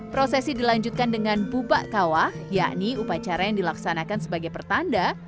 prosesi dilanjutkan dengan bubak kawah yakni upacara yang dilaksanakan sebagai pertanda